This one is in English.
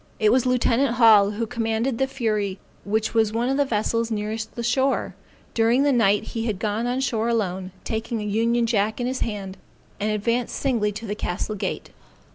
It was lieutenant Hall, who commanded the Fury which was one of the vessels nearest the shore. During the night he had gone on shore alone, taking an union jack in his hand, and advanced singly to the castle gate.